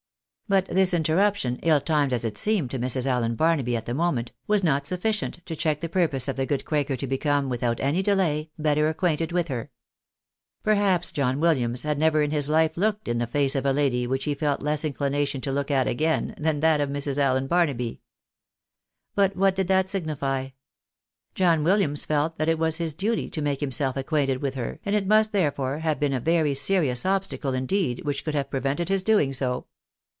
But this interruption, ill timed as it seemed to Mrs. Allen Bar naby at the moment, was not sufficient to check the purpose of the good quaker to become, without any delay, better acquainted with her. Perhaps John Williams had never in his hfe looked in the face of a lady which he felt less inchnation to look at again, than that of Mrs. Allen Barnaby. But what did that signify ? John Wilhams felt that it was his duty to make himseK acquainted with her, and it must, therefore, have been a very serious obstacle indeed which could have prevented his doing so.